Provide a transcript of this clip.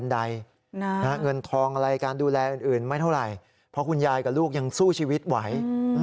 เพราะคุณยายกับลูกยังสู้ชีวิตไหว